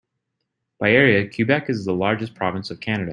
By area, Quebec is the largest province of Canada.